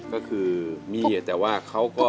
ก็คือมีแต่ว่าเขาก็